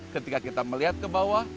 ketika kita melihat ke bawah